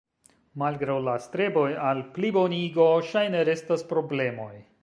Malgraŭ la streboj al plibonigo, ŝajne restas problemoj.